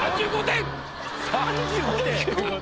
３５点？